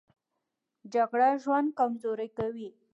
جګړه ژوند کمزوری کوي